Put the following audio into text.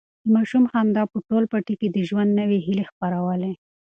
د ماشوم خندا په ټول پټي کې د ژوند نوي هیلې خپرولې.